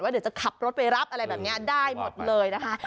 เดี๋ยวจะขับรถไปรับอะไรแบบนี้ได้หมดเลยนะคะ